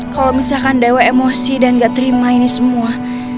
kalau misalkan dewa emosi dan gak terima ini semua